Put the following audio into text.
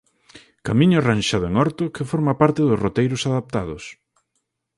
Camiño arranxado en Orto que forma parte dos roteiros adaptados.